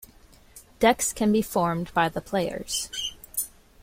Decks can be formed by the players.